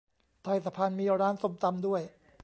ใต้สะพานมีร้านส้มตำด้วย